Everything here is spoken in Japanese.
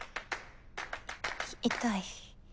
痛い。